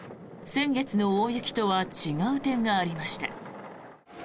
先月の大雪とは違う点がありました。